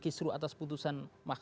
kisru atas putusan mahkamah